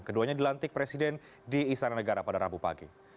keduanya dilantik presiden di istana negara pada rabu pagi